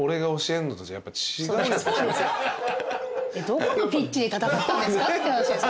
どこのピッチで戦ったんですかって話ですよ。